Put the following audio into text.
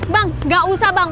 bang gak usah bang